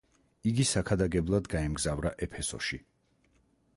იგი საქადაგებლად გაემგზავრა ეფესოში.